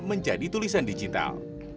menjadi tulisan digital